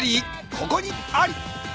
ここにあり！